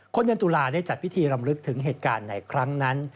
คนเดือนตุลาได้จัดพิธีรำลึกถึงเหตุการณ์ในครั้งนั้น